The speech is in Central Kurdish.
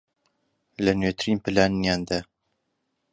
لە نوێترین پلانیاندا